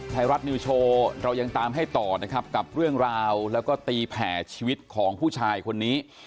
ไทยรัฐนิวโชว์เรายังตามให้ต่อนะครับกับเรื่องราวแล้วก็ตีแผ่ชีวิตของผู้ชายคนนี้